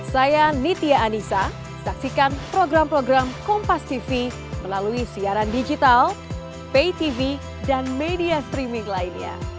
saya nitya anissa saksikan program program kompastv melalui siaran digital paytv dan media streaming lainnya